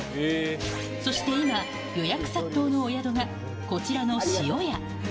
そして今、予約殺到のお宿が、こちらの潮屋。